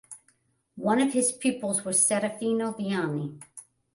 One of his pupils was Serafino Viani.